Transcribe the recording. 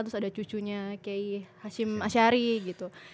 terus ada cucunya kay hashim asyari gitu